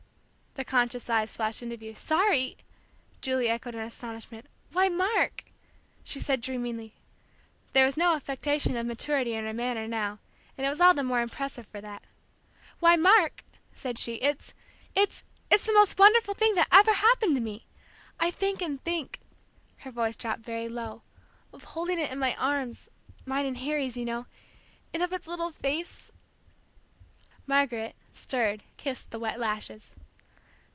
The conscious eyes flashed into view. "Sorry!" Julie echoed in astonishment. "Why, Mark," she said dreamily, there was no affectation of maturity in her manner now, and it was all the more impressive for that. "Why, Mark," said she, "it's it's the most wonderful thing that ever happened to me! I think and think," her voice dropped very low, "of holding it in my arms, mine and Harry's, you know and of its little face!" Margaret, stirred, kissed the wet lashes.